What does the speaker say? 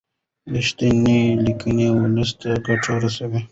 رښتینې لیکنې ولس ته ګټه رسوي.